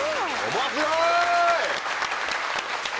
面白い！